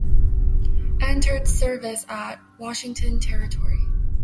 Entered service at: Washington Territory.